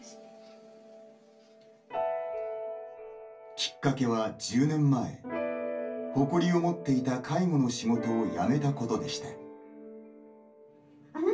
きっかけは１０年前誇りを持っていた介護の仕事を辞めたことでした。